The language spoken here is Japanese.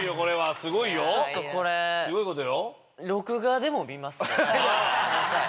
すごいことよ。